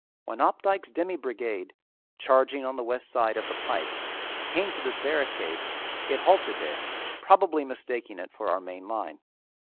When Opdycke's demi brigade, charging on the west side of the pike, came to this barricade, it halted there, probably mistaking it for our main line.